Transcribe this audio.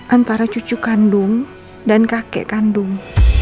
antara cucu kandung dan kakek kandung